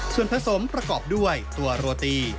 ส่วนผสมประกอบด้วยตัวโรตี